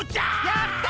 やった！